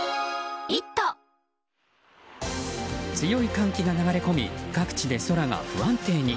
強い寒気が流れ込み各地で空が不安定に。